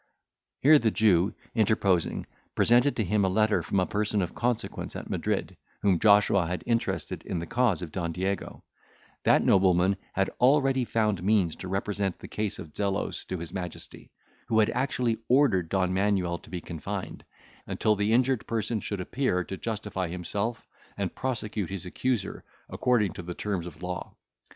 Here the Jew interposing, presented to him a letter from a person of consequence at Madrid, whom Joshua had interested in the cause of Don Diego; that nobleman had already found means to represent the case of Zelos to his Majesty, who had actually ordered Don Manuel to be confined, until the injured person should appear to justify himself, and prosecute his accuser according to the terms of law.